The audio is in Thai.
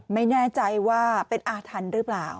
ไม่แน่ใจว่าเป็นอาถรรพ์หรือเปล่า